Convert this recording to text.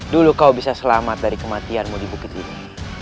dulu kau bisa selamat dari kematianmu di bukit ini